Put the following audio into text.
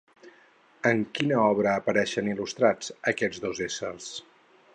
En quina obra apareixen il·lustrats aquests dos éssers?